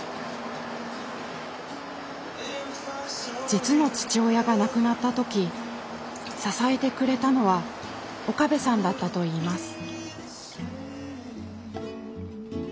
実の父親が亡くなった時支えてくれたのは岡部さんだったといいます。